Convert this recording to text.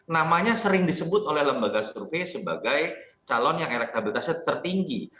namanya sering disebut oleh lembaga survei sebagai calon yang elektabilitasnya tertinggi